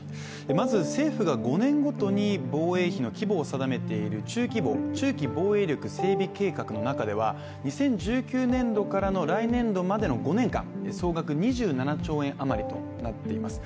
まず、政府が５年ごとに防衛費の規模を定めている中期防＝中期防衛力整備計画の中では２０１９年度からの来年度までの５年間、総額２７兆円余りとなっています。